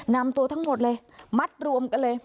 นำตัวทั้งหมดเลยมัดรวมกันเลย